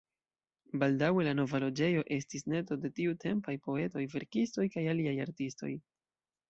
Baldaŭe la nova loĝejo estis nesto de tiutempaj poetoj, verkistoj kaj aliaj artistoj.